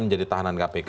menjadi tahanan kpk